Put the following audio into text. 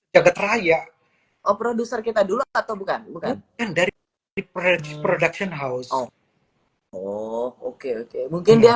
jagad raya producer kita dulu atau bukan bukan dari production house oh oke oke mungkin dia